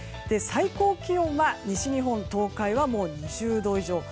最高気温は西日本、東海は２０度以上。